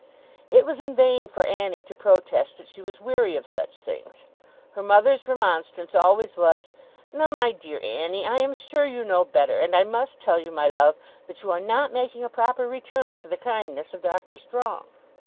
It was in vain for Annie to protest that she was weary of such things. Her mother's remonstrance always was, 'Now, my dear Annie, I am sure you know better; and I must tell you, my love, that you are not making a proper return for the kindness of Doctor Strong.